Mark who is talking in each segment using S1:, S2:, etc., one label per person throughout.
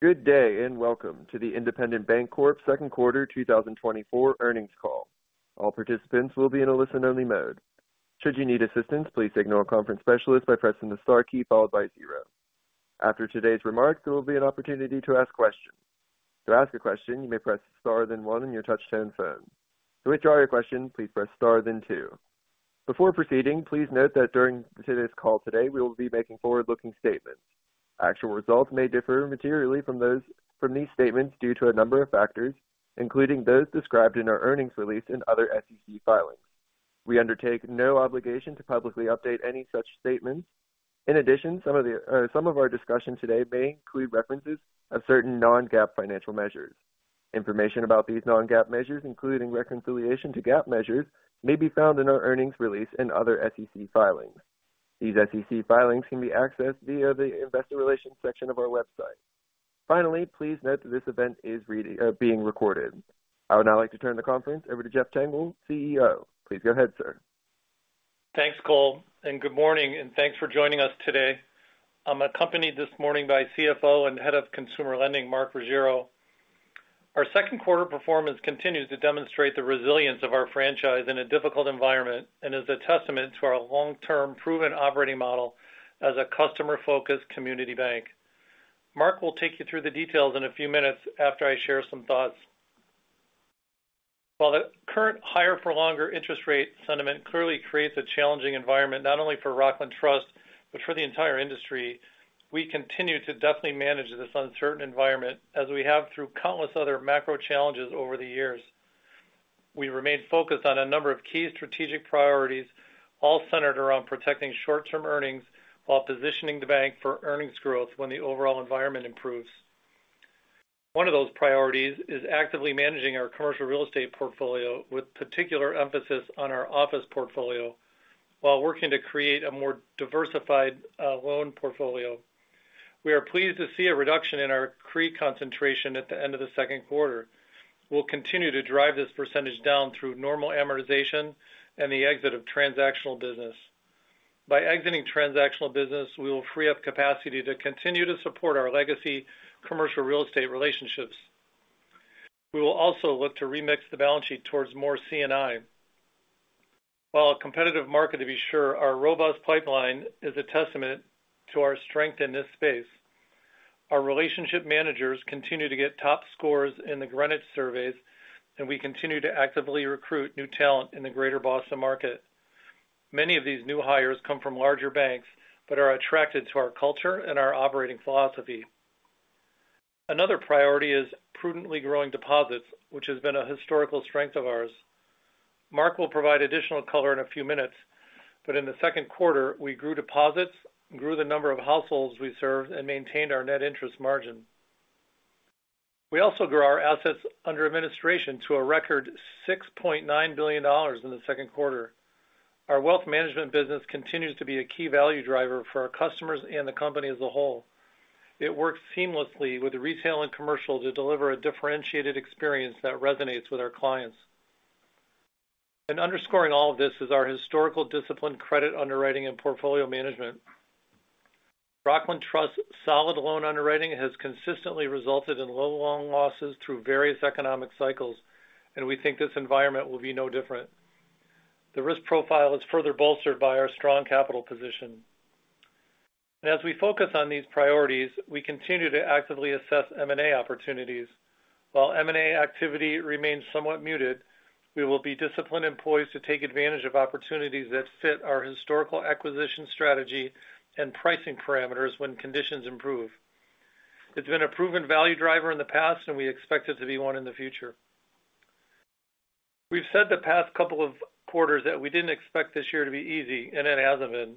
S1: Good day and welcome to the Independent Bank Corp Second Quarter 2024 earnings call. All participants will be in a listen-only mode. Should you need assistance, please signal a conference specialist by pressing the star key followed by zero. After today's remarks, there will be an opportunity to ask questions. To ask a question, you may press the star then one on your touch-tone phone. To withdraw your question, please press star then two. Before proceeding, please note that during today's call, we will be making forward-looking statements. Actual results may differ materially from these statements due to a number of factors, including those described in our earnings release and other SEC filings. We undertake no obligation to publicly update any such statements. In addition, some of our discussion today may include references to certain Non-GAAP financial measures. Information about these Non-GAAP measures, including reconciliation to GAAP measures, may be found in our earnings release and other SEC filings. These SEC filings can be accessed via the investor relations section of our website. Finally, please note that this event is being recorded. I would now like to turn the conference over to Jeff Tengel, CEO. Please go ahead, sir.
S2: Thanks, Cole, and good morning, and thanks for joining us today. I'm accompanied this morning by CFO and Head of Consumer Lending, Mark Ruggiero. Our second quarter performance continues to demonstrate the resilience of our franchise in a difficult environment and is a testament to our long-term proven operating model as a customer-focused community bank. Mark will take you through the details in a few minutes after I share some thoughts. While the current higher-for-longer interest rate sentiment clearly creates a challenging environment not only for Rockland Trust but for the entire industry, we continue to definitely manage this uncertain environment as we have through countless other macro challenges over the years. We remain focused on a number of key strategic priorities, all centered around protecting short-term earnings while positioning the bank for earnings growth when the overall environment improves. One of those priorities is actively managing our commercial real estate portfolio with particular emphasis on our office portfolio while working to create a more diversified loan portfolio. We are pleased to see a reduction in our CRE concentration at the end of the second quarter. We'll continue to drive this percentage down through normal amortization and the exit of transactional business. By exiting transactional business, we will free up capacity to continue to support our legacy commercial real estate relationships. We will also look to remix the balance sheet towards more C&I. While a competitive market to be sure, our robust pipeline is a testament to our strength in this space. Our relationship managers continue to get top scores in the Greenwich surveys, and we continue to actively recruit new talent in the Greater Boston market. Many of these new hires come from larger banks but are attracted to our culture and our operating philosophy. Another priority is prudently growing deposits, which has been a historical strength of ours. Mark will provide additional color in a few minutes, but in the second quarter, we grew deposits, grew the number of households we served, and maintained our net interest margin. We also grew our assets under administration to a record $6.9 billion in the second quarter. Our wealth management business continues to be a key value driver for our customers and the company as a whole. It works seamlessly with retail and commercial to deliver a differentiated experience that resonates with our clients. In underscoring all of this is our historical discipline, credit underwriting, and portfolio management. Rockland Trust's solid loan underwriting has consistently resulted in low loan losses through various economic cycles, and we think this environment will be no different. The risk profile is further bolstered by our strong capital position. As we focus on these priorities, we continue to actively assess M&A opportunities. While M&A activity remains somewhat muted, we will be disciplined and poised to take advantage of opportunities that fit our historical acquisition strategy and pricing parameters when conditions improve. It's been a proven value driver in the past, and we expect it to be one in the future. We've said the past couple of quarters that we didn't expect this year to be easy, and it hasn't been,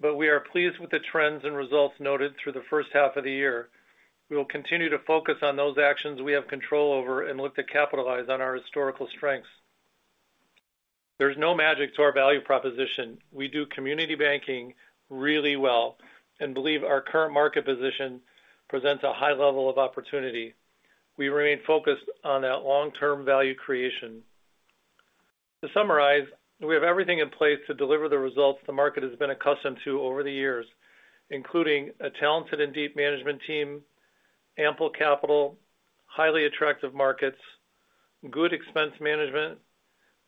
S2: but we are pleased with the trends and results noted through the first half of the year. We will continue to focus on those actions we have control over and look to capitalize on our historical strengths. There's no magic to our value proposition. We do community banking really well and believe our current market position presents a high level of opportunity. We remain focused on that long-term value creation. To summarize, we have everything in place to deliver the results the market has been accustomed to over the years, including a talented and deep management team, ample capital, highly attractive markets, good expense management,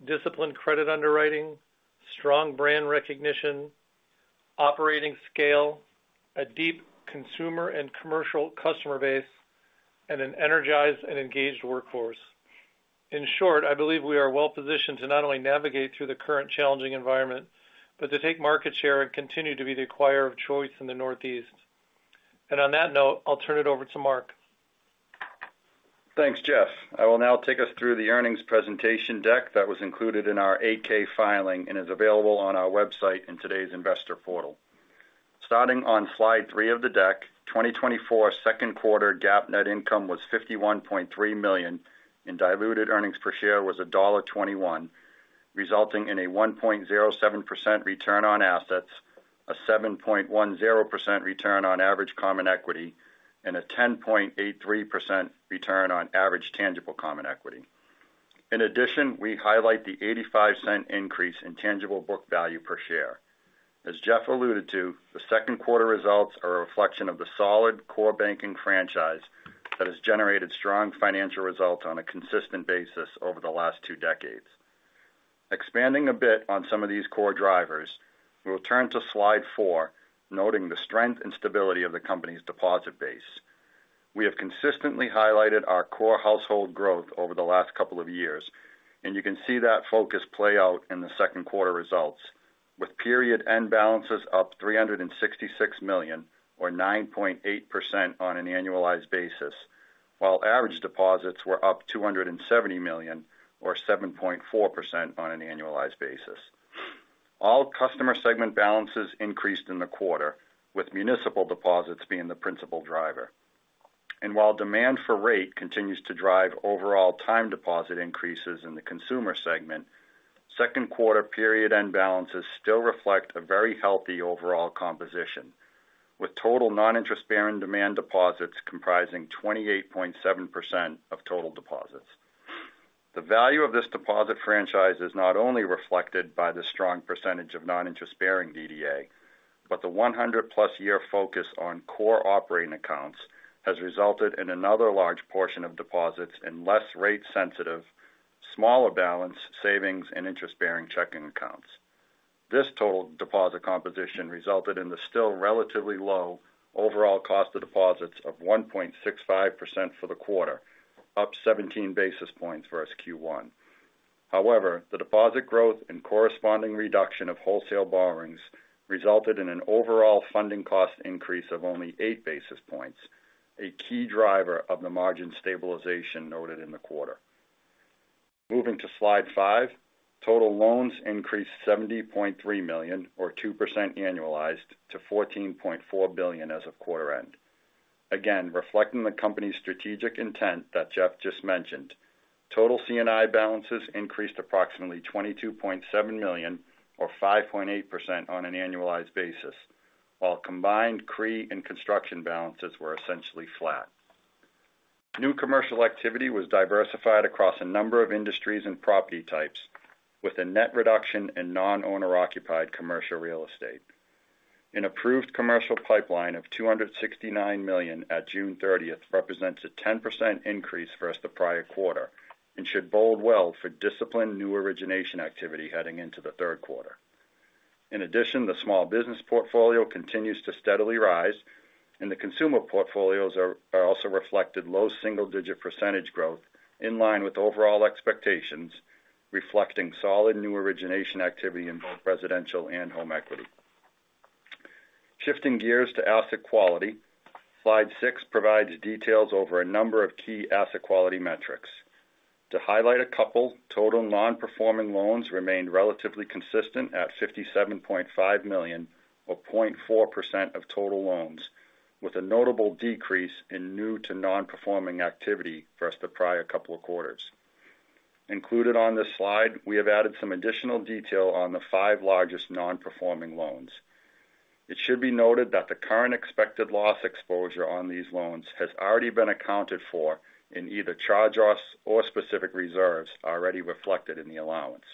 S2: disciplined credit underwriting, strong brand recognition, operating scale, a deep consumer and commercial customer base, and an energized and engaged workforce. In short, I believe we are well positioned to not only navigate through the current challenging environment but to take market share and continue to be the acquirer of choice in the Northeast. On that note, I'll turn it over to Mark.
S3: Thanks, Jeff. I will now take us through the earnings presentation deck that was included in our 8-K filing and is available on our website in today's investor portal. Starting on slide 3 of the deck, 2024 second quarter GAAP net income was $51.3 million, and diluted earnings per share was $1.21, resulting in a 1.07% return on assets, a 7.10% return on average common equity, and a 10.83% return on average tangible common equity. In addition, we highlight the $0.85 increase in tangible book value per share. As Jeff alluded to, the second quarter results are a reflection of the solid core banking franchise that has generated strong financial results on a consistent basis over the last two decades. Expanding a bit on some of these core drivers, we'll turn to slide 4, noting the strength and stability of the company's deposit base. We have consistently highlighted our core household growth over the last couple of years, and you can see that focus play out in the second quarter results, with period end balances up $366 million, or 9.8% on an annualized basis, while average deposits were up $270 million, or 7.4% on an annualized basis. All customer segment balances increased in the quarter, with municipal deposits being the principal driver. While demand for rate continues to drive overall time deposit increases in the consumer segment, second quarter period end balances still reflect a very healthy overall composition, with total non-interest bearing demand deposits comprising 28.7% of total deposits. The value of this deposit franchise is not only reflected by the strong percentage of non-interest bearing DDA, but the 100-plus year focus on core operating accounts has resulted in another large portion of deposits in less rate-sensitive, smaller balance savings and interest bearing checking accounts. This total deposit composition resulted in the still relatively low overall cost of deposits of 1.65% for the quarter, up 17 basis points versus Q1. However, the deposit growth and corresponding reduction of wholesale borrowings resulted in an overall funding cost increase of only 8 basis points, a key driver of the margin stabilization noted in the quarter. Moving to slide five, total loans increased $70.3 million, or 2% annualized, to $14.4 billion as of quarter end. Again, reflecting the company's strategic intent that Jeff just mentioned, total C&I balances increased approximately $22.7 million, or 5.8% on an annualized basis, while combined CRE and construction balances were essentially flat. New commercial activity was diversified across a number of industries and property types, with a net reduction in non-owner-occupied commercial real estate. An approved commercial pipeline of $269 million at June 30th represents a 10% increase versus the prior quarter and should bode well for disciplined new origination activity heading into the third quarter. In addition, the small business portfolio continues to steadily rise, and the consumer portfolios are also reflected low single-digit % growth in line with overall expectations, reflecting solid new origination activity in both residential and home equity. Shifting gears to asset quality, slide six provides details over a number of key asset quality metrics. To highlight a couple, total non-performing loans remained relatively consistent at $57.5 million, or 0.4% of total loans, with a notable decrease in new to non-performing activity versus the prior couple of quarters. Included on this slide, we have added some additional detail on the five largest non-performing loans. It should be noted that the current expected loss exposure on these loans has already been accounted for in either charge-offs or specific reserves already reflected in the allowance.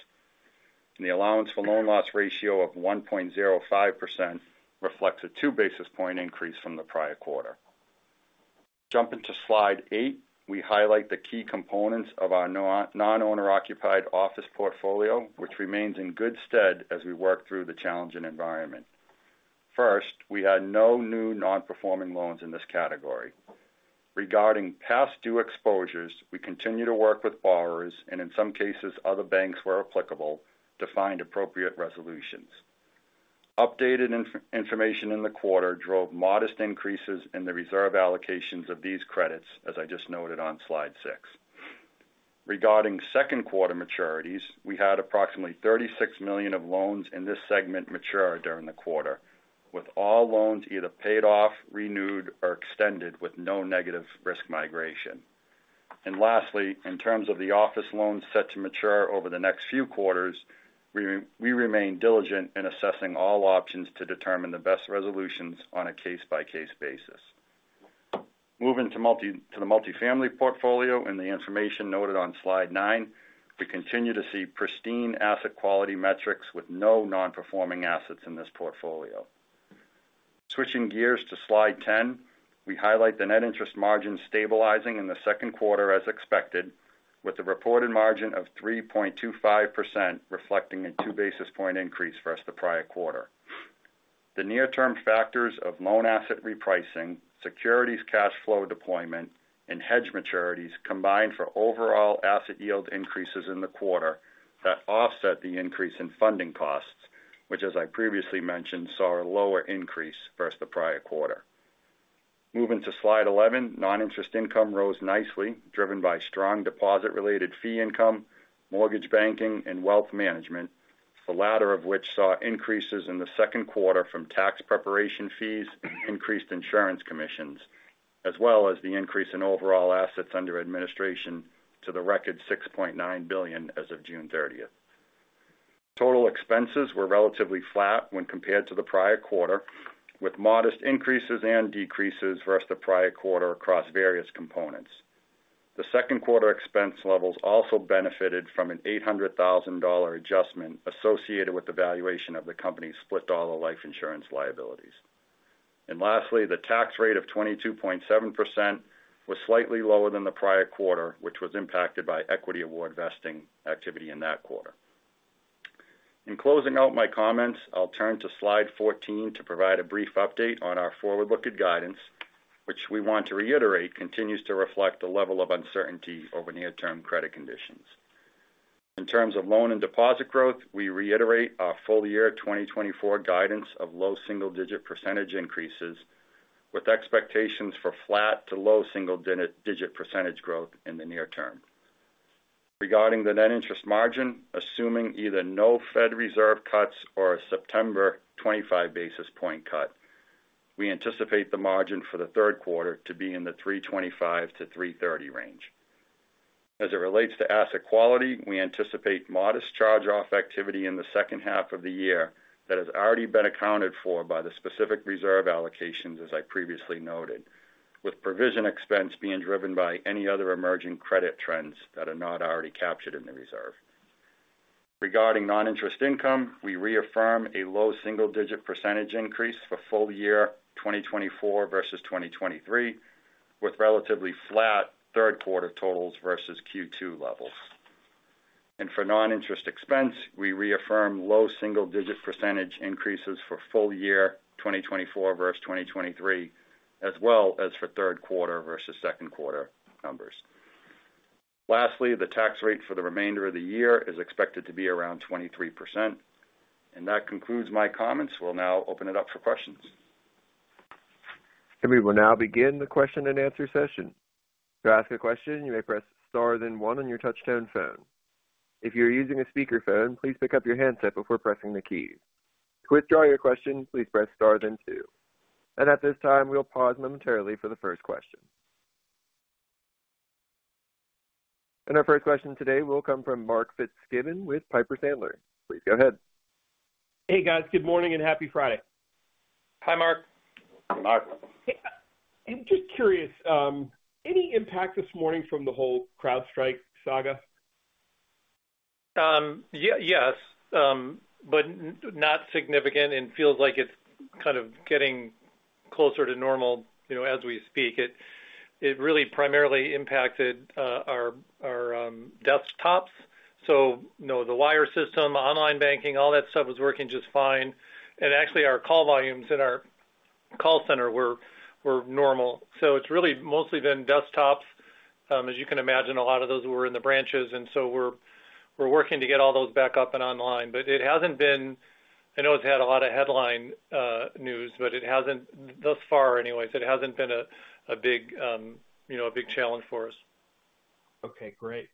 S3: The allowance for loan loss ratio of 1.05% reflects a 2 basis point increase from the prior quarter. Jumping to slide eight, we highlight the key components of our non-owner-occupied office portfolio, which remains in good stead as we work through the challenging environment. First, we had no new non-performing loans in this category. Regarding past due exposures, we continue to work with borrowers and, in some cases, other banks where applicable, to find appropriate resolutions. Updated information in the quarter drove modest increases in the reserve allocations of these credits, as I just noted on slide 6. Regarding second quarter maturities, we had approximately $36 million of loans in this segment mature during the quarter, with all loans either paid off, renewed, or extended with no negative risk migration. Lastly, in terms of the office loans set to mature over the next few quarters, we remain diligent in assessing all options to determine the best resolutions on a case-by-case basis. Moving to the multifamily portfolio and the information noted on slide 9, we continue to see pristine asset quality metrics with no non-performing assets in this portfolio. Switching gears to slide 10, we highlight the net interest margin stabilizing in the second quarter as expected, with the reported margin of 3.25% reflecting a 2 basis point increase versus the prior quarter. The near-term factors of loan asset repricing, securities cash flow deployment, and hedge maturities combined for overall asset yield increases in the quarter that offset the increase in funding costs, which, as I previously mentioned, saw a lower increase versus the prior quarter. Moving to slide 11, non-interest income rose nicely, driven by strong deposit-related fee income, mortgage banking, and wealth management, the latter of which saw increases in the second quarter from tax preparation fees and increased insurance commissions, as well as the increase in overall assets under administration to the record $6.9 billion as of June 30th. Total expenses were relatively flat when compared to the prior quarter, with modest increases and decreases versus the prior quarter across various components. The second quarter expense levels also benefited from an $800,000 adjustment associated with the valuation of the company's split dollar life insurance liabilities. And lastly, the tax rate of 22.7% was slightly lower than the prior quarter, which was impacted by equity award vesting activity in that quarter. In closing out my comments, I'll turn to slide 14 to provide a brief update on our forward-looking guidance, which we want to reiterate continues to reflect the level of uncertainty over near-term credit conditions. In terms of loan and deposit growth, we reiterate our full year 2024 guidance of low single-digit percentage increases, with expectations for flat to low single-digit percentage growth in the near term. Regarding the net interest margin, assuming either no Fed reserve cuts or a September 25 basis point cut, we anticipate the margin for the third quarter to be in the 3.25%-3.30% range. As it relates to asset quality, we anticipate modest charge-off activity in the second half of the year that has already been accounted for by the specific reserve allocations, as I previously noted, with provision expense being driven by any other emerging credit trends that are not already captured in the reserve. Regarding non-interest income, we reaffirm a low single-digit % increase for full year 2024 versus 2023, with relatively flat third quarter totals versus Q2 levels. For non-interest expense, we reaffirm low single-digit % increases for full year 2024 versus 2023, as well as for third quarter versus second quarter numbers. Lastly, the tax rate for the remainder of the year is expected to be around 23%. That concludes my comments. We'll now open it up for questions.
S1: We will now begin the question and answer session. To ask a question, you may press star then one on your touch-tone phone. If you're using a speakerphone, please pick up your handset before pressing the keys. To withdraw your question, please press star then two. At this time, we'll pause momentarily for the first question. Our first question today will come from Mark Fitzgibbon with Piper Sandler. Please go ahead.
S4: Hey, guys. Good morning and happy Friday.
S2: Hi, Mark.
S3: Hey, Mark.
S4: I'm just curious, any impact this morning from the whole CrowdStrike saga?
S2: Yes, but not significant and feels like it's kind of getting closer to normal as we speak. It really primarily impacted our desktops. So the wire system, online banking, all that stuff was working just fine. And actually, our call volumes in our call center were normal. So it's really mostly been desktops. As you can imagine, a lot of those were in the branches. And so we're working to get all those back up and online. But it hasn't been, I know it's had a lot of headline news, but it hasn't, thus far anyways, it hasn't been a big challenge for us.
S4: Okay, great.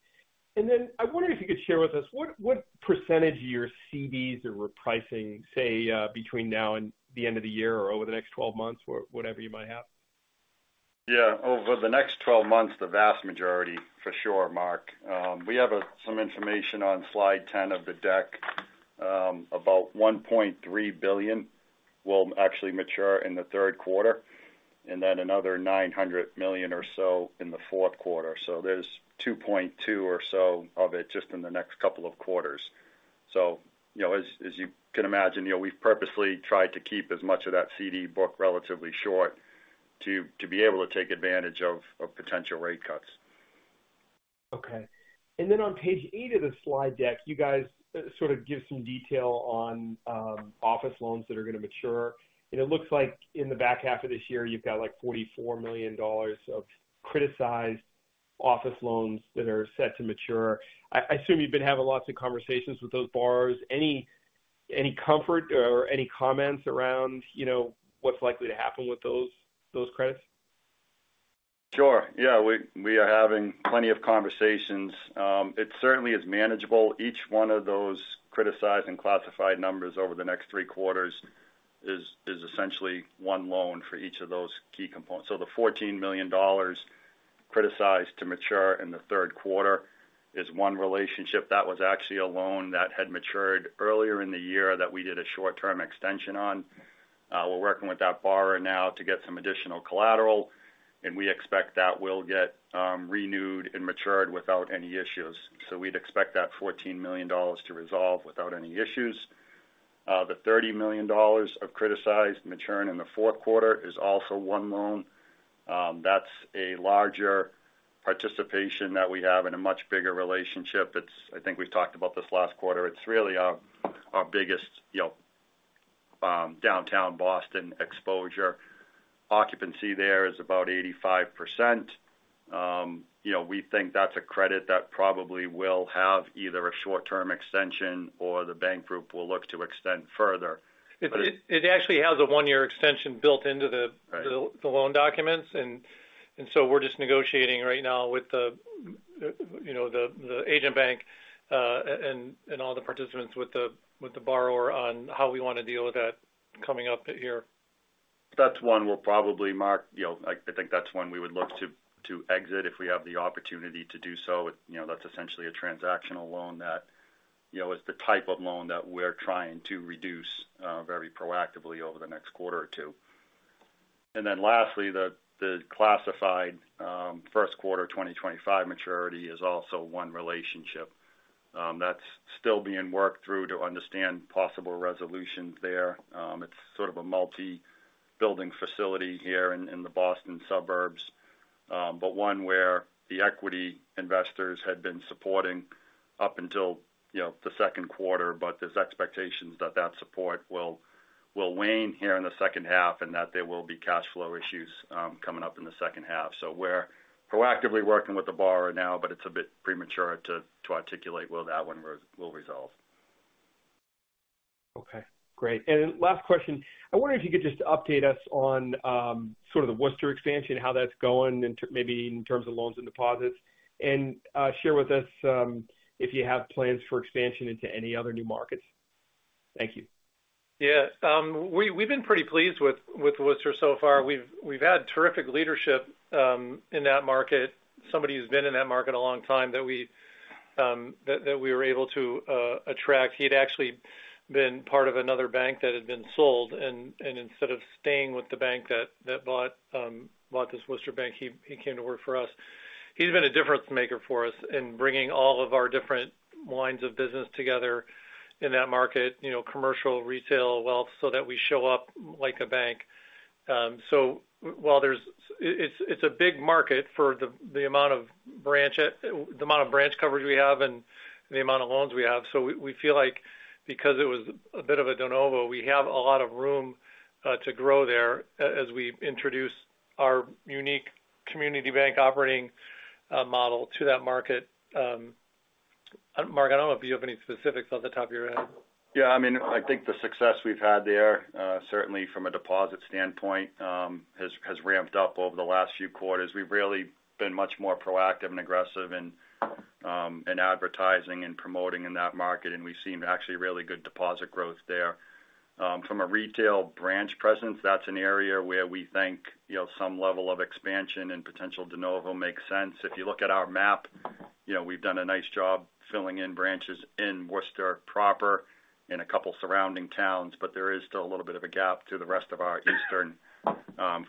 S4: And then I wonder if you could share with us what percentage of your CDs are repricing, say, between now and the end of the year or over the next 12 months or whatever you might have?
S3: Yeah, over the next 12 months, the vast majority for sure, Mark. We have some information on slide 10 of the deck about $1.3 billion will actually mature in the third quarter and then another $900 million or so in the fourth quarter. So there's $2.2 billion or so of it just in the next couple of quarters. So as you can imagine, we've purposely tried to keep as much of that CD book relatively short to be able to take advantage of potential rate cuts.
S4: Okay. And then on page eight of the slide deck, you guys sort of give some detail on office loans that are going to mature. And it looks like in the back half of this year, you've got like $44 million of criticized office loans that are set to mature. I assume you've been having lots of conversations with those borrowers. Any comfort or any comments around what's likely to happen with those credits?
S3: Sure. Yeah, we are having plenty of conversations. It certainly is manageable. Each one of those criticized and classified numbers over the next three quarters is essentially one loan for each of those key components. So the $14 million criticized to mature in the third quarter is one relationship. That was actually a loan that had matured earlier in the year that we did a short-term extension on. We're working with that borrower now to get some additional collateral. And we expect that will get renewed and matured without any issues. So we'd expect that $14 million to resolve without any issues. The $30 million of criticized maturing in the fourth quarter is also one loan. That's a larger participation that we have in a much bigger relationship. I think we've talked about this last quarter. It's really our biggest downtown Boston exposure. Occupancy there is about 85%. We think that's a credit that probably will have either a short-term extension or the bank group will look to extend further.
S2: It actually has a one-year extension built into the loan documents. And so we're just negotiating right now with the Agent Bank and all the participants with the borrower on how we want to deal with that coming up here.
S3: That's one we'll probably, Mark, I think that's one we would look to exit if we have the opportunity to do so. That's essentially a transactional loan that is the type of loan that we're trying to reduce very proactively over the next quarter or two. And then lastly, the classified first quarter 2025 maturity is also one relationship. That's still being worked through to understand possible resolutions there. It's sort of a multi-building facility here in the Boston suburbs, but one where the equity investors had been supporting up until the second quarter. But there's expectations that that support will wane here in the second half and that there will be cash flow issues coming up in the second half. So we're proactively working with the borrower now, but it's a bit premature to articulate whether that one will resolve.
S4: Okay, great. Last question, I wonder if you could just update us on sort of the Worcester expansion, how that's going, maybe in terms of loans and deposits, and share with us if you have plans for expansion into any other new markets. Thank you.
S2: Yeah, we've been pretty pleased with Worcester so far. We've had terrific leadership in that market. Somebody who's been in that market a long time that we were able to attract. He had actually been part of another bank that had been sold. Instead of staying with the bank that bought this Worcester bank, he came to work for us. He's been a difference maker for us in bringing all of our different lines of business together in that market, commercial, retail, wealth, so that we show up like a bank. While it's a big market for the amount of branch coverage we have and the amount of loans we have, we feel like because it was a bit of a de novo, we have a lot of room to grow there as we introduce our unique community bank operating model to that market. Mark, I don't know if you have any specifics off the top of your head.
S3: Yeah, I mean, I think the success we've had there, certainly from a deposit standpoint, has ramped up over the last few quarters. We've really been much more proactive and aggressive in advertising and promoting in that market. We've seen actually really good deposit growth there. From a retail branch presence, that's an area where we think some level of expansion and potential de novo makes sense. If you look at our map, we've done a nice job filling in branches in Worcester proper and a couple of surrounding towns, but there is still a little bit of a gap to the rest of our eastern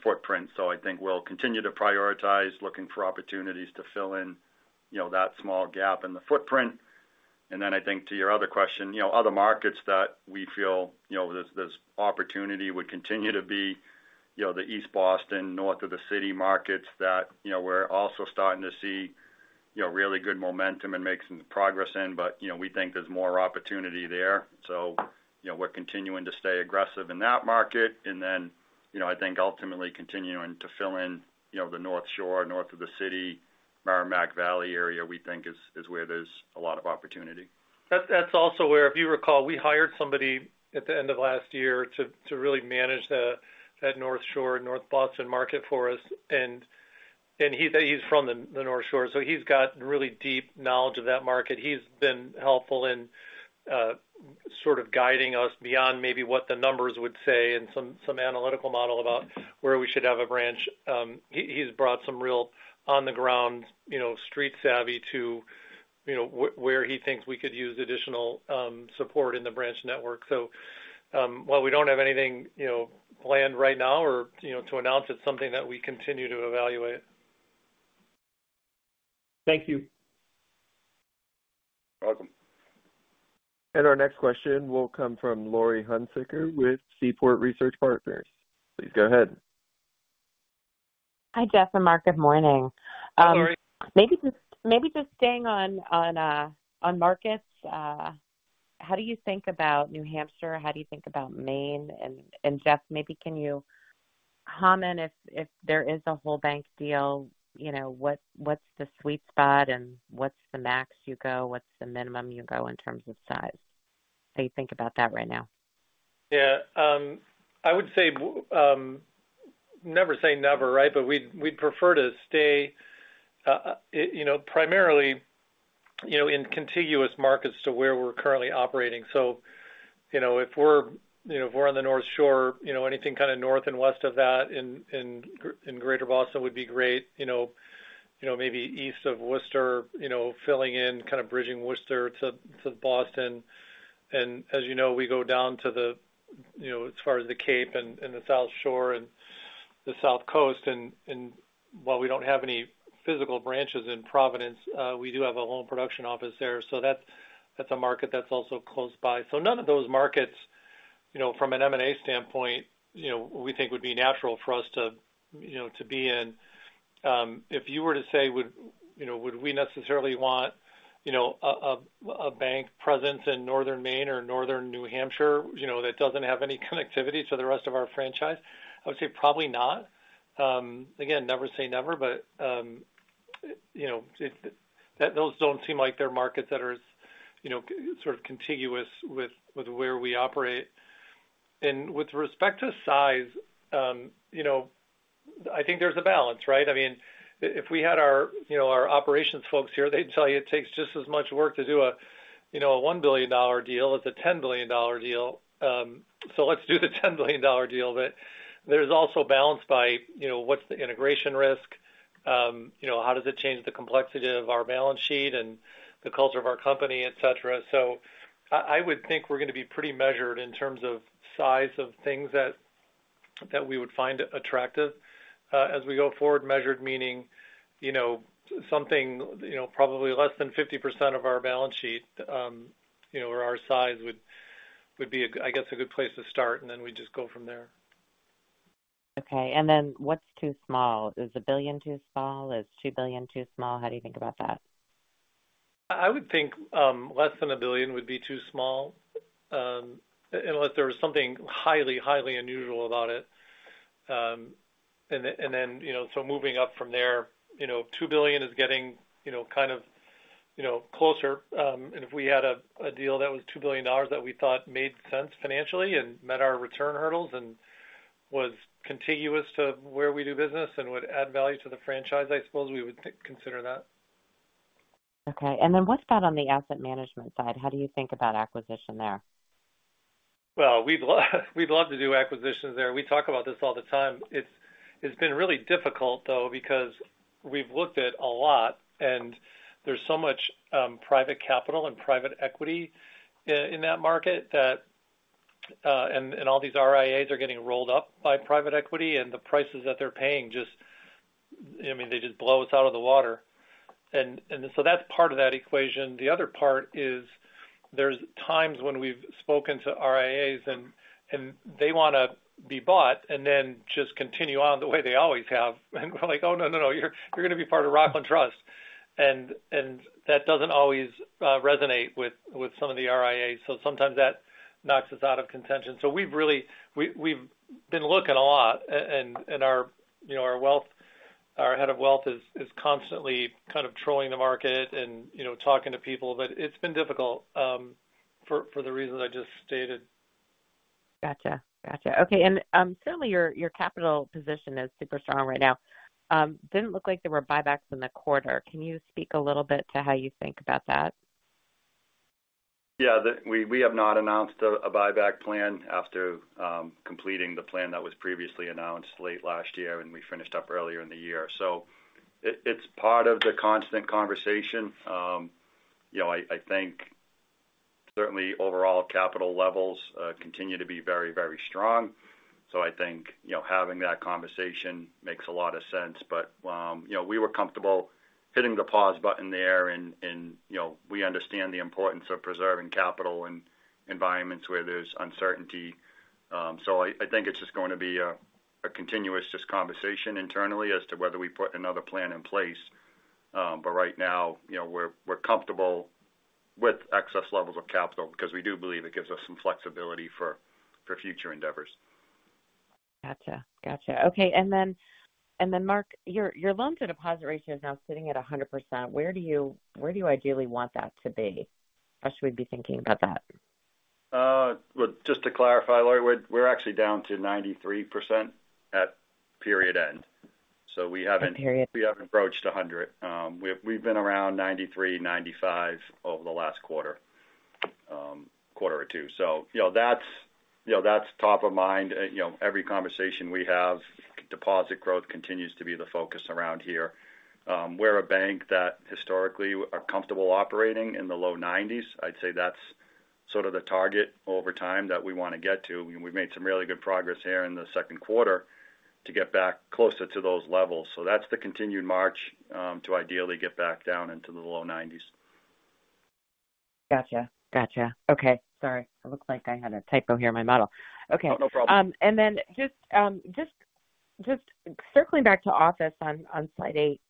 S3: footprint. I think we'll continue to prioritize looking for opportunities to fill in that small gap in the footprint. And then I think to your other question, other markets that we feel there's opportunity would continue to be the East Boston, north of the city markets that we're also starting to see really good momentum and making progress in, but we think there's more opportunity there. So we're continuing to stay aggressive in that market. And then I think ultimately continuing to fill in the North Shore, north of the city, Merrimack Valley area, we think is where there's a lot of opportunity.
S2: That's also where, if you recall, we hired somebody at the end of last year to really manage that North Shore, North Boston market for us. And he's from the North Shore, so he's got really deep knowledge of that market. He's been helpful in sort of guiding us beyond maybe what the numbers would say and some analytical model about where we should have a branch. He's brought some real on-the-ground street savvy to where he thinks we could use additional support in the branch network. So while we don't have anything planned right now or to announce, it's something tha t we continue to evaluate.
S4: Thank you.
S3: You're welcome.
S1: Our next question will come from Laurie Hunsicker with Seaport Research Partners. Please go ahead.
S5: Hi, Jeff and Mark. Good morning.
S2: I'm sorry.
S5: Maybe just staying on markets, how do you think about New Hampshire? How do you think about Maine? And Jeff, maybe can you comment if there is a whole bank deal? What's the sweet spot and what's the max you go? What's the minimum you go in terms of size? How do you think about that right now?
S2: Yeah, I would say never say never, right? But we'd prefer to stay primarily in contiguous markets to where we're currently operating. So if we're on the North Shore, anything kind of north and west of that in Greater Boston would be great. Maybe east of Worcester, filling in, kind of bridging Worcester to Boston. And as you know, we go down to the as far as the Cape and the South Shore and the South Coast. And while we don't have any physical branches in Providence, we do have a loan production office there. So that's a market that's also close by. So none of those markets, from an M&A standpoint, we think would be natural for us to be in. If you were to say, would we necessarily want a bank presence in northern Maine or northern New Hampshire that doesn't have any connectivity to the rest of our franchise? I would say probably not. Again, never say never, but those don't seem like they're markets that are sort of contiguous with where we operate. And with respect to size, I think there's a balance, right? I mean, if we had our operations folks here, they'd tell you it takes just as much work to do a $1 billion deal as a $10 billion deal. So let's do the $10 billion deal. But there's also balance by what's the integration risk? How does it change the complexity of our balance sheet and the culture of our company, etc.? So I would think we're going to be pretty measured in terms of size of things that we would find attractive as we go forward. Measured meaning something probably less than 50% of our balance sheet or our size would be, I guess, a good place to start, and then we'd just go from there.
S5: Okay. And then what's too small? Is $1 billion too small? Is $2 billion too small? How do you think about that?
S2: I would think less than $1 billion would be too small unless there was something highly, highly unusual about it. Then so moving up from there, $2 billion is getting kind of closer. If we had a deal that was $2 billion that we thought made sense financially and met our return hurdles and was contiguous to where we do business and would add value to the franchise, I suppose we would consider that.
S5: Okay. And then what's that on the asset management side? How do you think about acquisition there?
S2: Well, we'd love to do acquisitions there. We talk about this all the time. It's been really difficult, though, because we've looked at a lot, and there's so much private capital and private equity in that market that all these RIAs are getting rolled up by private equity, and the prices that they're paying just, I mean, they just blow us out of the water. And so that's part of that equation. The other part is there's times when we've spoken to RIAs, and they want to be bought and then just continue on the way they always have. And we're like, "Oh, no, no, no. You're going to be part of Rockland Trust." And that doesn't always resonate with some of the RIAs. So sometimes that knocks us out of contention. So we've been looking a lot. Our head of wealth is constantly kind of trolling the market and talking to people. It's been difficult for the reasons I just stated.
S5: Gotcha. Gotcha. Okay. And certainly, your capital position is super strong right now. Didn't look like there were buybacks in the quarter. Can you speak a little bit to how you think about that?
S3: Yeah. We have not announced a buyback plan after completing the plan that was previously announced late last year, and we finished up earlier in the year. So it's part of the constant conversation. I think certainly overall capital levels continue to be very, very strong. So I think having that conversation makes a lot of sense. But we were comfortable hitting the pause button there, and we understand the importance of preserving capital in environments where there's uncertainty. So I think it's just going to be a continuous just conversation internally as to whether we put another plan in place. But right now, we're comfortable with excess levels of capital because we do believe it gives us some flexibility for future endeavors.
S5: Gotcha. Gotcha. Okay. And then, Mark, your loans and deposit ratio is now sitting at 100%. Where do you ideally want that to be? How should we be thinking about that?
S3: Well, just to clarify, Laurie, we're actually down to 93% at period end. So we haven't approached 100. We've been around 93, 95 over the last quarter or two. So that's top of mind. Every conversation we have, deposit growth continues to be the focus around here. We're a bank that historically are comfortable operating in the low 90s. I'd say that's sort of the target over time that we want to get to. We've made some really good progress here in the second quarter to get back closer to those levels. So that's the continued march to ideally get back down into the low 90s.
S5: Gotcha. Gotcha. Okay. Sorry. It looks like I had a typo here in my model. Okay.
S3: Oh, no problem.
S5: And then just circling back to office on slide 8,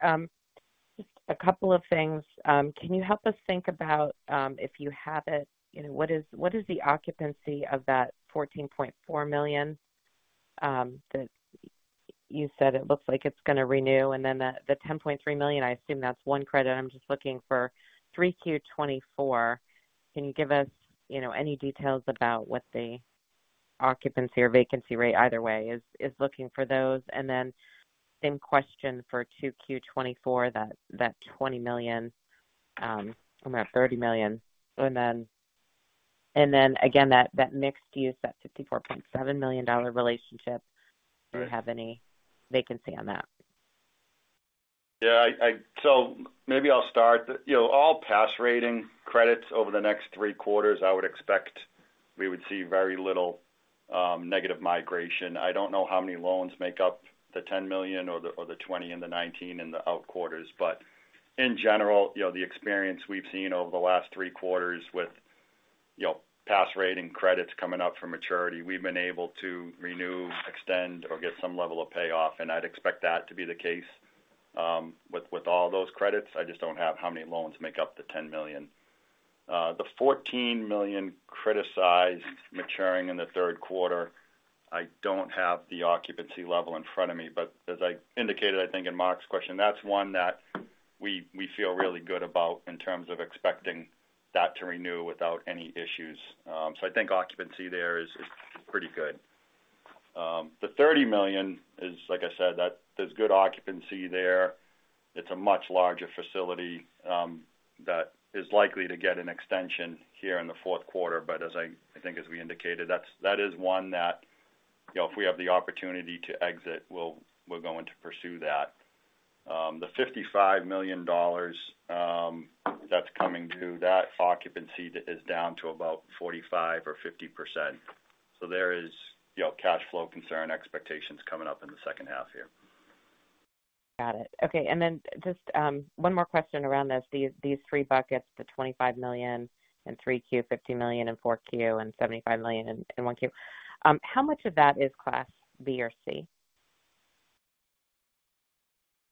S5: just a couple of things. Can you help us think about, if you have it, what is the occupancy of that $14.4 million that you said it looks like it's going to renew? And then the $10.3 million, I assume that's one credit. I'm just looking for 3Q2024. Can you give us any details about what the occupancy or vacancy rate either way is looking for those? And then same question for 2Q2024, that $20 million, or about $30 million. And then again, that mixed use, that $54.7 million relationship, do you have any vacancy on that?
S3: Yeah. So maybe I'll start. All pass rating credits over the next three quarters, I would expect we would see very little negative migration. I don't know how many loans make up the $10 million or the $20 million and the $19 million in the out quarters. But in general, the experience we've seen over the last three quarters with pass rating credits coming up for maturity, we've been able to renew, extend, or get some level of payoff. And I'd expect that to be the case with all those credits. I just don't have how many loans make up the $10 million. The $14 million criticized maturing in the third quarter, I don't have the occupancy level in front of me. But as I indicated, I think in Mark's question, that's one that we feel really good about in terms of expecting that to renew without any issues. I think occupancy there is pretty good. The $30 million is, like I said, there's good occupancy there. It's a much larger facility that is likely to get an extension here in the fourth quarter. But I think, as we indicated, that is one that if we have the opportunity to exit, we're going to pursue that. The $55 million that's coming due, that occupancy is down to about 45% or 50%. So there is cash flow concern expectations coming up in the second half here.
S5: Got it. Okay. And then just one more question around this. These three buckets, the $25 million and 3Q, $50 million and 4Q, and $75 million and 1Q, how much of that is Class B or C?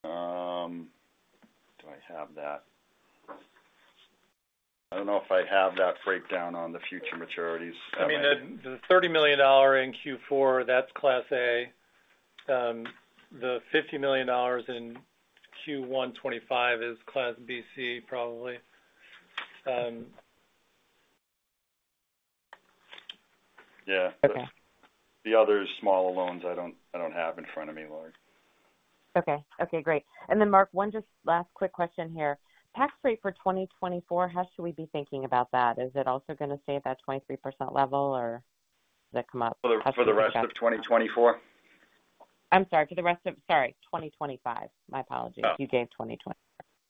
S3: Do I have that? I don't know if I have that breakdown on the future maturities.
S2: I mean, the $30 million in Q4, that's Class A. The $50 million in Q1 2025 is Class BC, probably.
S3: Yeah. The other small loans, I don't have in front of me, Laurie.
S5: Okay. Okay. Great. And then, Mark, one just last quick question here. Tax rate for 2024, how should we be thinking about that? Is it also going to stay at that 23% level, or does it come up?
S3: For the rest of 2024?
S5: I'm sorry. For the rest of, sorry, 2025. My apologies. You gave 2020.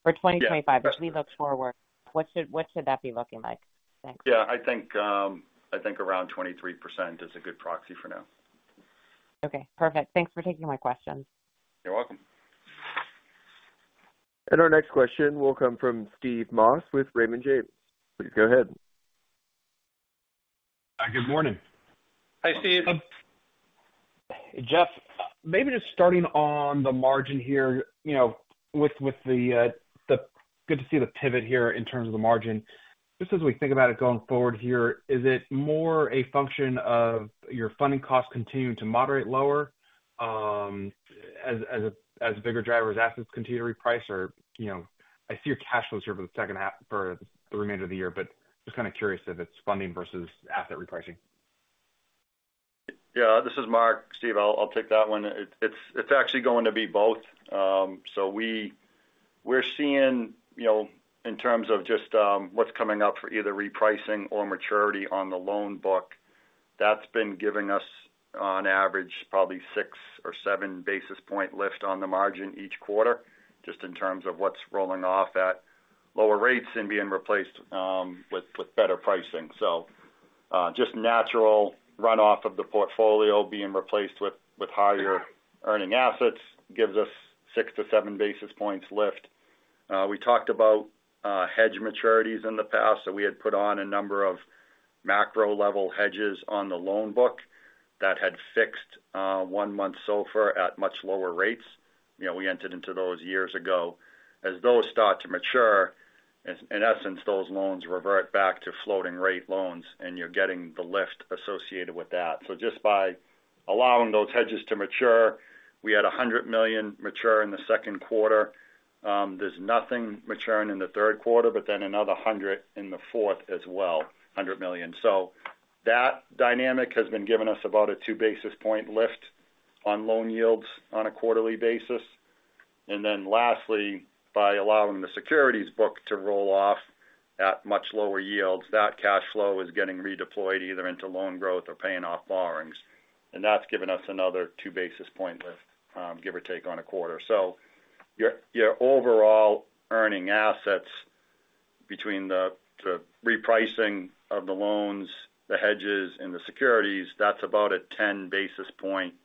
S5: For 2025, as we look forward, what should that be looking like? Thanks.
S3: Yeah. I think around 23% is a good proxy for now.
S5: Okay. Perfect. Thanks for taking my questions.
S3: You're welcome.
S1: Our next question will come from Steve Moss with Raymond James. Please go ahead.
S6: Hi, good morning.
S2: Hi, Steve.
S6: Jeff, maybe just starting on the margin here. Good to see the pivot here in terms of the margin. Just as we think about it going forward here, is it more a function of your funding costs continuing to moderate lower as bigger drivers, assets continue to reprice? Or I see your cash flows here for the second half for the remainder of the year, but just kind of curious if it's funding versus asset repricing.
S3: Yeah. This is Mark. Steve, I'll take that one. It's actually going to be both. So we're seeing, in terms of just what's coming up for either repricing or maturity on the loan book, that's been giving us, on average, probably 6 basis point or 7 basis points lift on the margin each quarter, just in terms of what's rolling off at lower rates and being replaced with better pricing. So just natural runoff of the portfolio being replaced with higher earning assets gives us 6 basis point-7 basis points lift. We talked about hedge maturities in the past. So we had put on a number of macro-level hedges on the loan book that had fixed one-month SOFR at much lower rates. We entered into those years ago. As those start to mature, in essence, those loans revert back to floating-rate loans, and you're getting the lift associated with that. So just by allowing those hedges to mature, we had $100 million mature in the second quarter. There's nothing maturing in the third quarter, but then another $100 million in the fourth as well, $100 million. So that dynamic has been giving us about a 2-basis point lift on loan yields on a quarterly basis. And then lastly, by allowing the securities book to roll off at much lower yields, that cash flow is getting redeployed either into loan growth or paying off borrowings. And that's given us another 2-basis point lift, give or take on a quarter. So your overall earning assets between the repricing of the loans, the hedges, and the securities, that's about a 10-basis point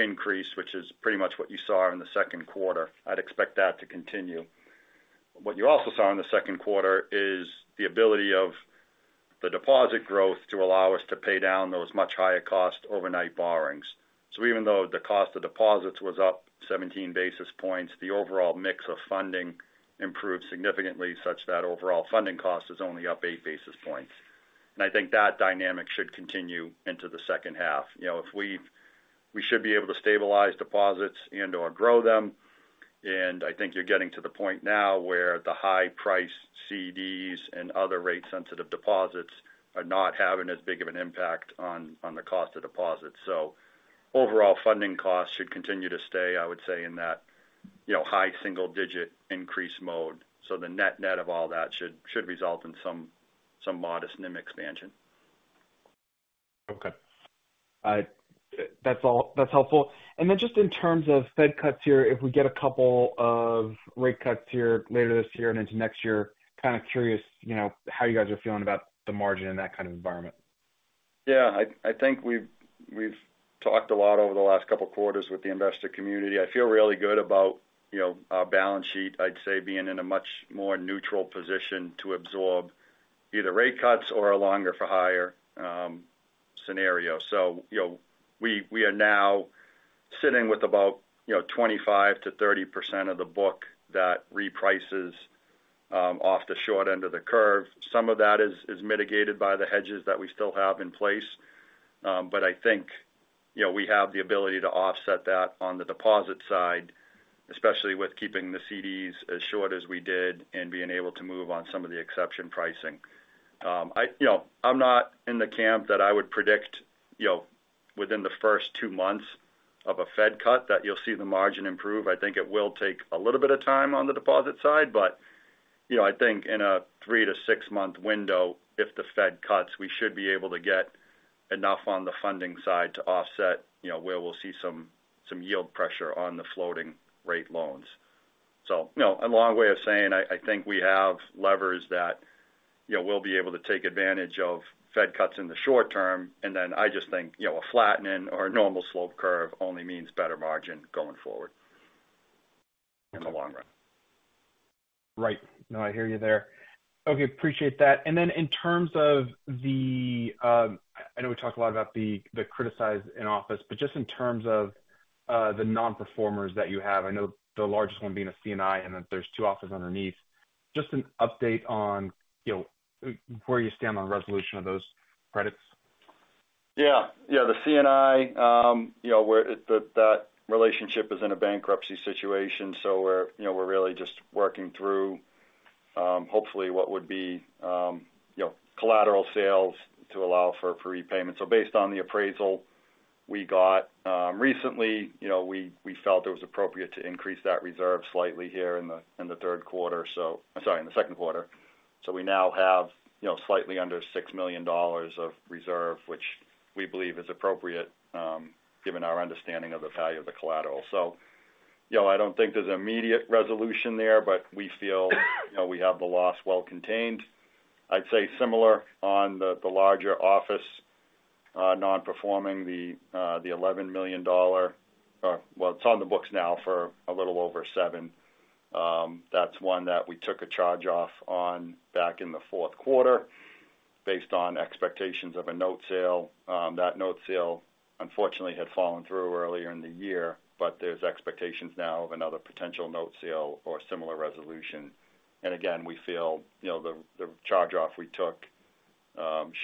S3: increase, which is pretty much what you saw in the second quarter. I'd expect that to continue. What you also saw in the second quarter is the ability of the deposit growth to allow us to pay down those much higher-cost overnight borrowings. So even though the cost of deposits was up 17 basis points, the overall mix of funding improved significantly such that overall funding cost is only up 8 basis points. And I think that dynamic should continue into the second half. We should be able to stabilize deposits and/or grow them. And I think you're getting to the point now where the high-priced CDs and other rate-sensitive deposits are not having as big of an impact on the cost of deposits. So overall funding costs should continue to stay, I would say, in that high single-digit increase mode. So the net-net of all that should result in some modest NIM expansion.
S6: Okay. That's helpful. And then just in terms of Fed cuts here, if we get a couple of rate cuts here later this year and into next year, kind of curious how you guys are feeling about the margin in that kind of environment.
S3: Yeah. I think we've talked a lot over the last couple of quarters with the investor community. I feel really good about our balance sheet, I'd say, being in a much more neutral position to absorb either rate cuts or a longer-for-higher scenario. So we are now sitting with about 25%-30% of the book that reprices off the short end of the curve. Some of that is mitigated by the hedges that we still have in place. But I think we have the ability to offset that on the deposit side, especially with keeping the CDs as short as we did and being able to move on some of the exception pricing. I'm not in the camp that I would predict within the first two months of a Fed cut that you'll see the margin improve. I think it will take a little bit of time on the deposit side. But I think in a 3 month-6month window, if the Fed cuts, we should be able to get enough on the funding side to offset where we'll see some yield pressure on the floating-rate loans. So a long way of saying, I think we have levers that we'll be able to take advantage of Fed cuts in the short term. And then I just think a flattening or a normal slope curve only means better margin going forward in the long run.
S6: Right. No, I hear you there. Okay. Appreciate that. And then in terms of the—I know we talked a lot about the criticized office, but just in terms of the non-performers that you have, I know the largest one being a C&I, and then there's two offices underneath. Just an update on where you stand on resolution of those credits?
S3: Yeah. Yeah. The C&I, that relationship is in a bankruptcy situation. So we're really just working through, hopefully, what would be collateral sales to allow for repayment. So based on the appraisal we got recently, we felt it was appropriate to increase that reserve slightly here in the third quarter. Sorry, in the second quarter. So we now have slightly under $6 million of reserve, which we believe is appropriate given our understanding of the value of the collateral. So I don't think there's immediate resolution there, but we feel we have the loss well contained. I'd say similar on the larger office non-performing, the $11 million, well, it's on the books now for a little over $7 million. That's one that we took a charge-off on back in the fourth quarter based on expectations of a note sale. That note sale, unfortunately, had fallen through earlier in the year, but there's expectations now of another potential note sale or similar resolution. Again, we feel the charge-off we took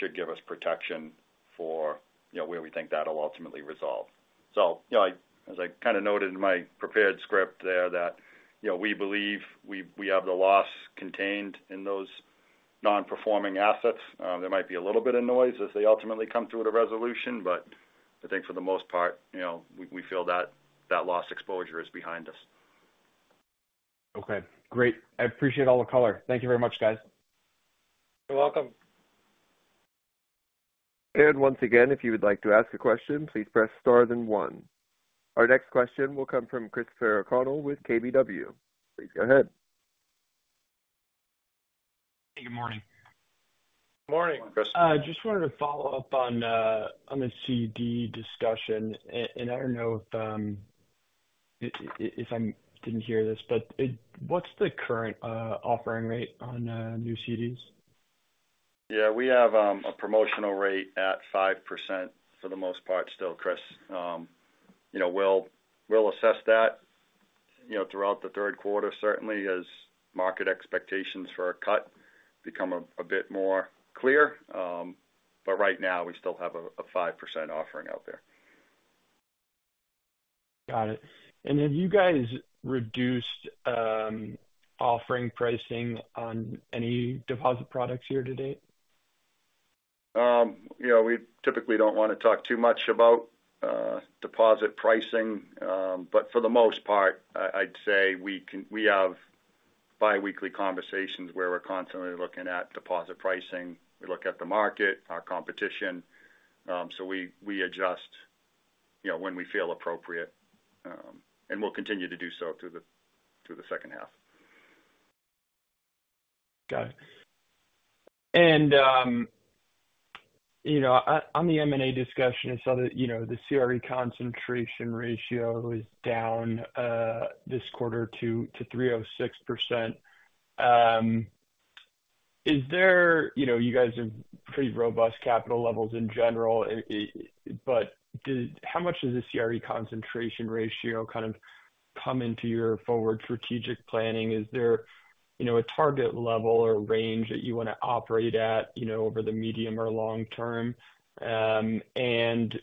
S3: should give us protection for where we think that will ultimately resolve. So as I kind of noted in my prepared script there, that we believe we have the loss contained in those non-performing assets. There might be a little bit of noise as they ultimately come through to resolution, but I think for the most part, we feel that loss exposure is behind us.
S6: Okay. Great. I appreciate all the color. Thank you very much, guys.
S2: You're welcome.
S1: Once again, if you would like to ask a question, please press star then one. Our next question will come from Christopher O'Connell with KBW. Please go ahead.
S7: Hey, good morning.
S2: Good morning.
S7: Just wanted to follow up on the CD discussion. I don't know if I didn't hear this, but what's the current offering rate on new CDs?
S3: Yeah. We have a promotional rate at 5% for the most part still, Chris. We'll assess that throughout the third quarter, certainly, as market expectations for a cut become a bit more clear. But right now, we still have a 5% offering out there.
S7: Got it. Have you guys reduced offering pricing on any deposit products here to date?
S3: We typically don't want to talk too much about deposit pricing. For the most part, I'd say we have biweekly conversations where we're constantly looking at deposit pricing. We look at the market, our competition. We adjust when we feel appropriate. We'll continue to do so through the second half.
S7: Got it. And on the M&A discussion, I saw that the CRE concentration ratio was down this quarter to 306%. You guys have pretty robust capital levels in general. But how much does the CRE concentration ratio kind of come into your forward strategic planning? Is there a target level or range that you want to operate at over the medium or long term? And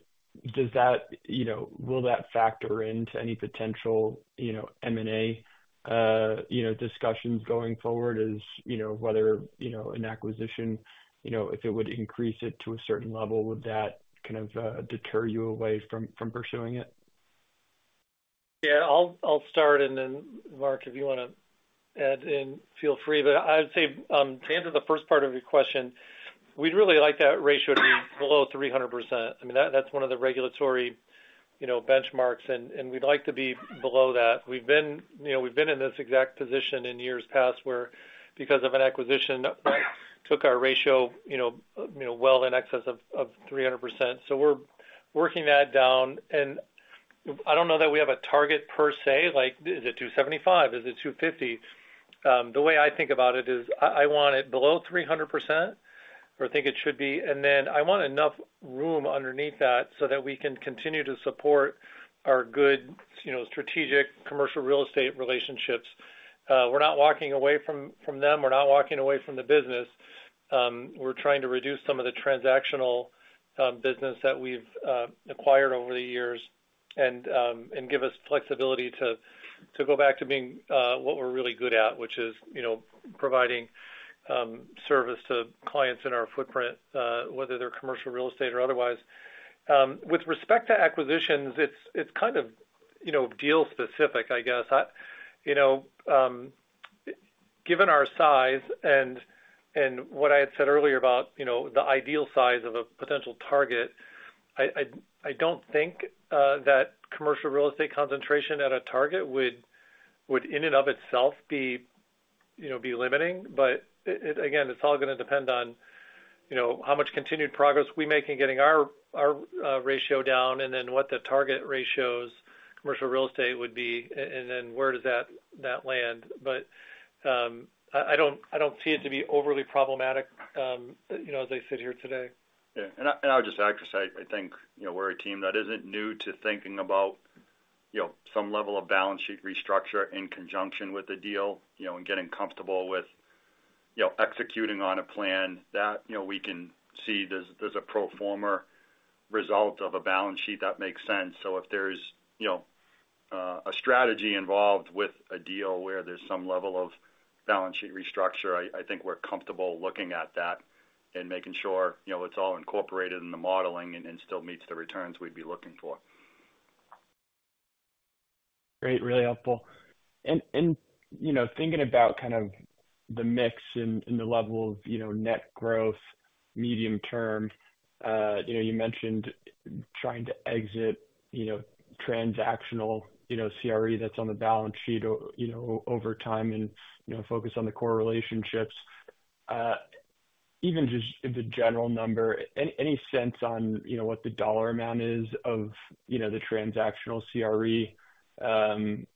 S7: will that factor into any potential M&A discussions going forward, whether an acquisition, if it would increase it to a certain level, would that kind of deter you away from pursuing it?
S2: Yeah. I'll start. And then, Mark, if you want to add in, feel free. But I'd say to answer the first part of your question, we'd really like that ratio to be below 300%. I mean, that's one of the regulatory benchmarks, and we'd like to be below that. We've been in this exact position in years past where, because of an acquisition, took our ratio well in excess of 300%. So we're working that down. And I don't know that we have a target per se. Is it 275? Is it 250? The way I think about it is I want it below 300% or think it should be. And then I want enough room underneath that so that we can continue to support our good strategic commercial real estate relationships. We're not walking away from them. We're not walking away from the business. We're trying to reduce some of the transactional business that we've acquired over the years and give us flexibility to go back to being what we're really good at, which is providing service to clients in our footprint, whether they're commercial real estate or otherwise. With respect to acquisitions, it's kind of deal-specific, I guess. Given our size and what I had said earlier about the ideal size of a potential target, I don't think that commercial real estate concentration at a target would, in and of itself, be limiting. But again, it's all going to depend on how much continued progress we make in getting our ratio down and then what the target ratios commercial real estate would be, and then where does that land. But I don't see it to be overly problematic as I sit here today.
S3: Yeah. I would just add, Chris, I think we're a team that isn't new to thinking about some level of balance sheet restructure in conjunction with the deal and getting comfortable with executing on a plan that we can see there's a pro forma result of a balance sheet that makes sense. So if there's a strategy involved with a deal where there's some level of balance sheet restructure, I think we're comfortable looking at that and making sure it's all incorporated in the modeling and still meets the returns we'd be looking for.
S7: Great. Really helpful. Thinking about kind of the mix and the level of net growth, medium term, you mentioned trying to exit transactional CRE that's on the balance sheet over time and focus on the core relationships. Even just the general number, any sense on what the dollar amount is of the transactional CRE on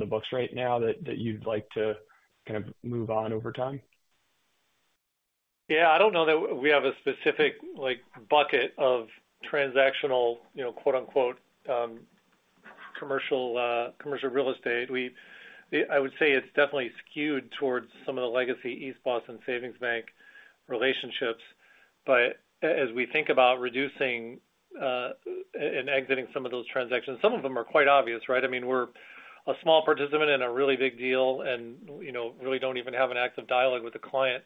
S7: the books right now that you'd like to kind of move on over time?
S2: Yeah. I don't know that we have a specific bucket of transactional, quote-unquote, commercial real estate. I would say it's definitely skewed towards some of the legacy East Boston Savings Bank relationships. But as we think about reducing and exiting some of those transactions, some of them are quite obvious, right? I mean, we're a small participant in a really big deal and really don't even have an active dialogue with the client.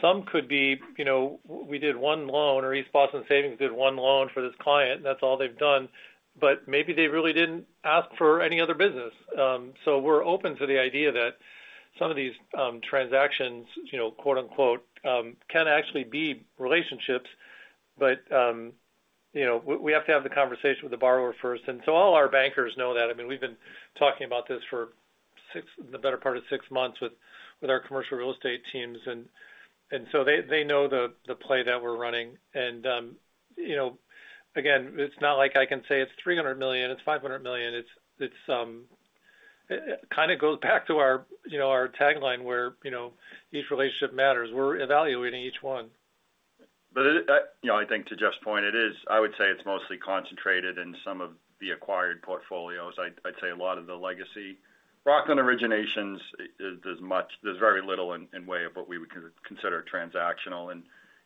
S2: Some could be we did one loan or East Boston Savings did one loan for this client, and that's all they've done. But maybe they really didn't ask for any other business. So we're open to the idea that some of these transactions, quote-unquote, can actually be relationships, but we have to have the conversation with the borrower first. And so all our bankers know that. I mean, we've been talking about this for the better part of six months with our commercial real estate teams. And again, it's not like I can say it's $300 million. It's $500 million. It kind of goes back to our tagline where each relationship matters. We're evaluating each one.
S3: I think to Jeff's point, I would say it's mostly concentrated in some of the acquired portfolios. I'd say a lot of the legacy Rockland originations is very little in way of what we would consider transactional.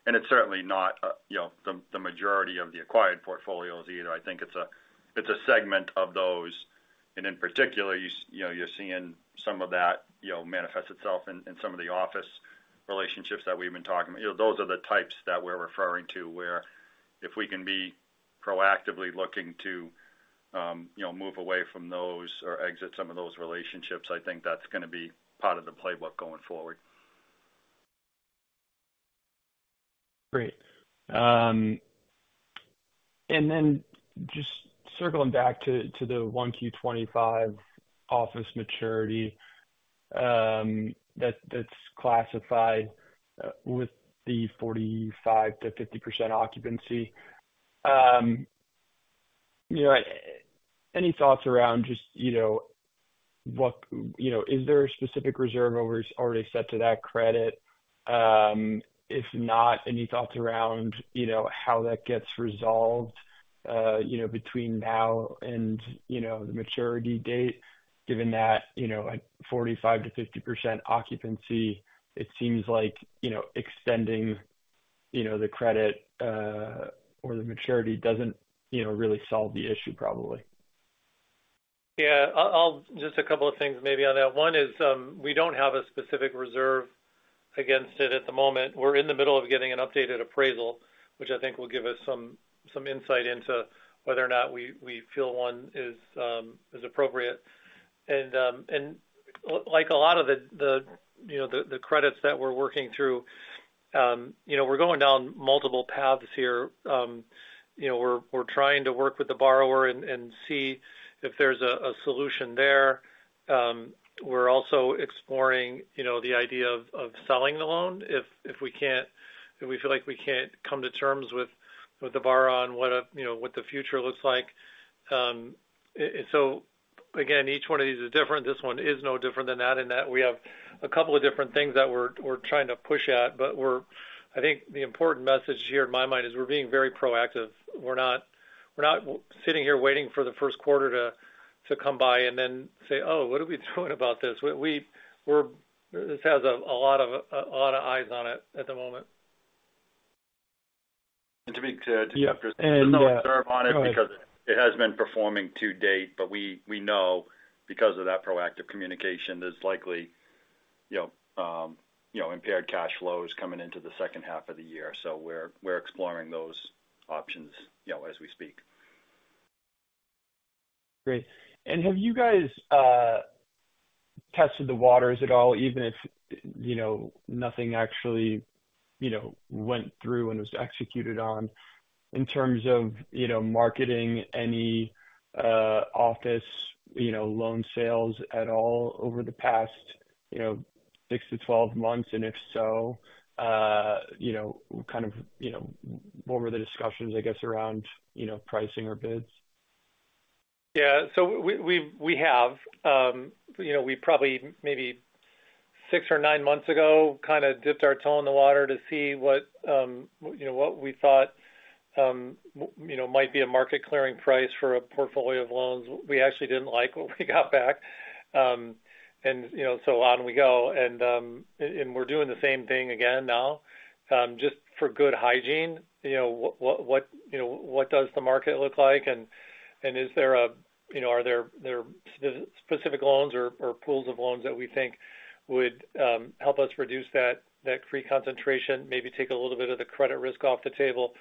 S3: It's certainly not the majority of the acquired portfolios either. I think it's a segment of those. In particular, you're seeing some of that manifest itself in some of the office relationships that we've been talking about. Those are the types that we're referring to where if we can be proactively looking to move away from those or exit some of those relationships, I think that's going to be part of the playbook going forward.
S7: Great. And then just circling back to the 1Q25 office maturity that's classified with the 45%-50% occupancy, any thoughts around just what is there a specific reserve already set to that credit? If not, any thoughts around how that gets resolved between now and the maturity date? Given that 45%-50% occupancy, it seems like extending the credit or the maturity doesn't really solve the issue probably.
S2: Yeah. Just a couple of things maybe on that. One is we don't have a specific reserve against it at the moment. We're in the middle of getting an updated appraisal, which I think will give us some insight into whether or not we feel one is appropriate. And like a lot of the credits that we're working through, we're going down multiple paths here. We're trying to work with the borrower and see if there's a solution there. We're also exploring the idea of selling the loan if we feel like we can't come to terms with the borrower on what the future looks like. So again, each one of these is different. This one is no different than that. And we have a couple of different things that we're trying to push at. But I think the important message here in my mind is we're being very proactive. We're not sitting here waiting for the first quarter to come by and then say, "Oh, what are we doing about this?" This has a lot of eyes on it at the moment.
S3: To make clear, to that.
S2: end.
S3: There's no reserve on it because it has been performing to date. But we know because of that proactive communication, there's likely impaired cash flows coming into the second half of the year. So we're exploring those options as we speak.
S7: Great. And have you guys tested the waters at all, even if nothing actually went through and was executed on, in terms of marketing any office loan sales at all over the past 6-12 months? And if so, kind of what were the discussions, I guess, around pricing or bids?
S2: Yeah. So we have. We probably maybe 6 months or 9 months ago kind of dipped our toe in the water to see what we thought might be a market-clearing price for a portfolio of loans. We actually didn't like what we got back. And so on we go. And we're doing the same thing again now just for good hygiene. What does the market look like? And is there are there specific loans or pools of loans that we think would help us reduce that CRE concentration, maybe take a little bit of the credit risk off the table,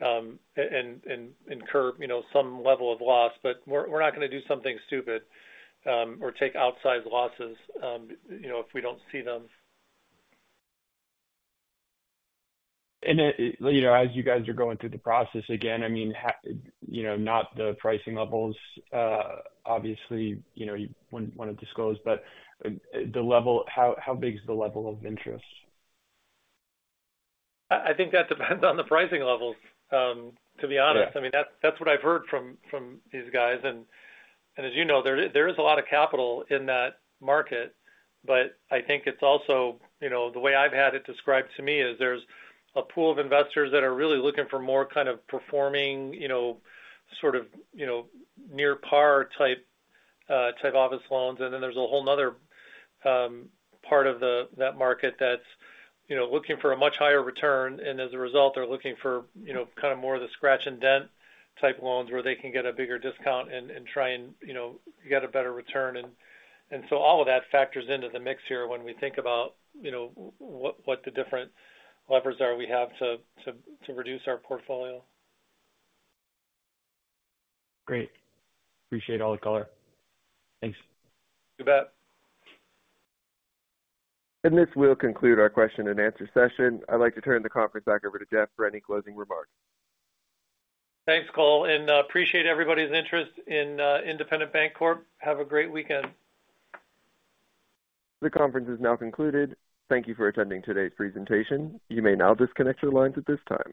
S2: and incur some level of loss? But we're not going to do something stupid or take outsized losses if we don't see them.
S7: As you guys are going through the process, again, I mean, not the pricing levels, obviously, you wouldn't want to disclose. But how big is the level of interest?
S2: I think that depends on the pricing levels, to be honest. I mean, that's what I've heard from these guys. And as you know, there is a lot of capital in that market. But I think it's also the way I've had it described to me is there's a pool of investors that are really looking for more kind of performing sort of near-par type office loans. And then there's a whole another part of that market that's looking for a much higher return. And as a result, they're looking for kind of more of the scratch-and-dent type loans where they can get a bigger discount and try and get a better return. And so all of that factors into the mix here when we think about what the different levers are we have to reduce our portfolio.
S3: Great. Appreciate all the color. Thanks.
S2: You bet.
S1: This will conclude our question and answer session. I'd like to turn the conference back over to Jeff for any closing remarks.
S2: Thanks, Cole. Appreciate everybody's interest in Independent Bank Corp. Have a great weekend.
S1: The conference is now concluded. Thank you for attending today's presentation. You may now disconnect your lines at this time.